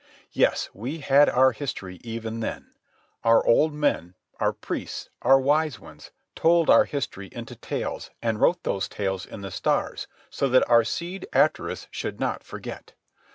Yes, we had our history even then. Our old men, our priests, our wise ones, told our history into tales and wrote those tales in the stars so that our seed after us should not forget.